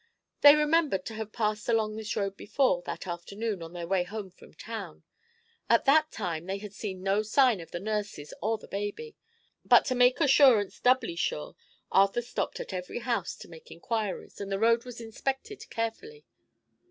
They remembered to have passed along this road before, that afternoon, on their way home from town. At that time they had seen no sign of the nurses or the baby. But to make assurance doubly sure Arthur stopped at every house to make inquiries and the road was inspected carefully.